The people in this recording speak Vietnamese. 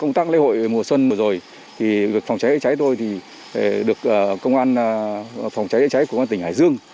công tác lễ hội mùa xuân vừa rồi phòng cháy chữa cháy tôi được công an phòng cháy chữa cháy của tỉnh hải dương